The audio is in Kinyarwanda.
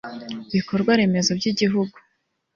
Ibikorwa remezo byigihugu